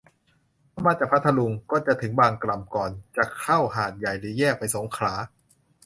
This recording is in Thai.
ถ้ามาจากพัทลุง ก็จะถึงบางกล่ำก่อนจะเข้าหาดใหญ่หรือแยกไปสงขลา